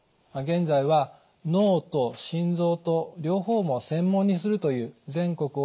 現在は脳と心臓と両方を専門にするという全国